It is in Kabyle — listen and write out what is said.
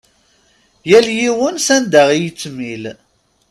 Yal yiwen s anda i yettmil.